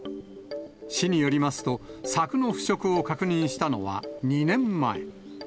市によりますと、柵の腐食を確認したのは、２年前。